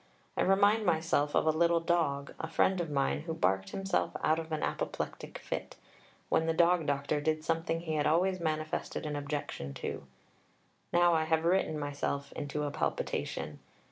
I remind myself of a little dog, a friend of mine, who barked himself out of an apoplectic fit, when the Dog Doctor did something he had always manifested an objection to. Now I have written myself into a palpitation.